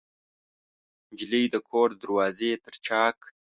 نجلۍ د کور د دروازې تر چاک